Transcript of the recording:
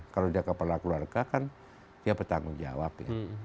kalau dia kepala keluarga kan dia bertanggung jawab ya